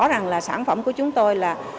rằng sản phẩm của chúng tôi là